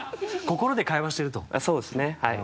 そうですね。